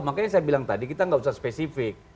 makanya saya bilang tadi kita nggak usah spesifik